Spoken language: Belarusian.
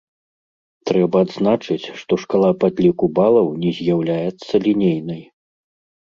Трэба адзначыць, што шкала падліку балаў не з'яўляецца лінейнай.